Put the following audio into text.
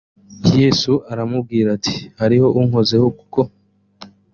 yesu aramubwira ati hariho unkozeho kuko